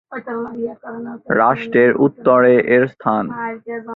রাষ্ট্রের উত্তরে এর অবস্থান।